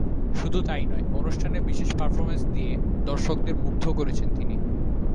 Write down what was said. শুধু তা-ই নয়, অনুষ্ঠানে বিশেষ পারফরম্যান্স দিয়ে দর্শকদের মুগ্ধও করেছেন তিনি।